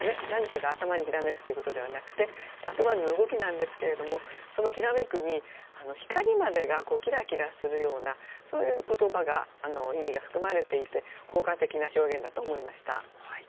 何かが頭にひらめくということではなくてあくまでも動きなんですけれどもその「ひらめく」に光までがきらきらするようなそういう言葉が意味が含まれていて効果的な表現だと思いました。